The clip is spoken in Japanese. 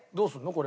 これ。